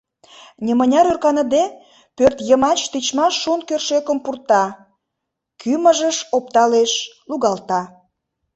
Нимыняр ӧрканыде, пӧртйымач тичмаш шун кӧршӧкым пурта, кӱмыжыш опталеш, лугалта.